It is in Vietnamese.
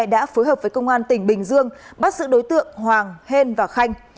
đã phối hợp với công an tỉnh bình dương bắt giữ đối tượng hoàng hên và khanh